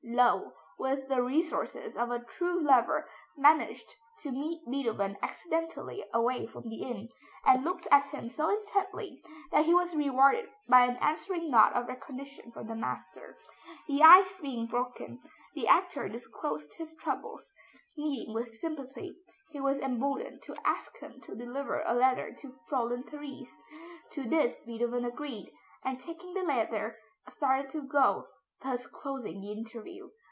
Löwe, with the resources of a true lover, managed to meet Beethoven accidentally away from the inn, and looked at him so intently that he was rewarded by an answering nod of recognition from the master. The ice being broken, the actor disclosed his troubles. Meeting with sympathy, he was emboldened to ask him to deliver a letter to Fräulein Therese. To this Beethoven agreed, and, taking the letter, started to go, thus closing the interview.